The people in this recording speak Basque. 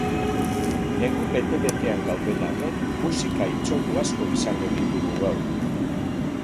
Negu bete-betean gauden arren, musika hitzordu asko izango ditugu gaur.